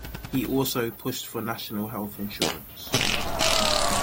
He also pushed for national health insurance.